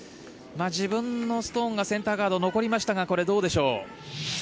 自分のストーンがセンターガード残りましたがこれ、どうでしょう。